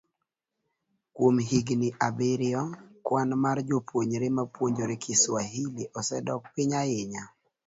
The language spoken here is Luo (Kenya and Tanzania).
Kuom higini abiriyo, kwan mar jopuonjre mapuonjore Kiswahili osedok piny ahinya.